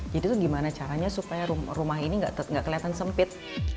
jadi itu gimana caranya supaya rumah ini gak kelihatan sempit